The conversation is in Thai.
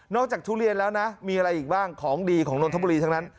จากทุเรียนแล้วนะมีอะไรอีกบ้างของดีของนนทบุรีทั้งนั้น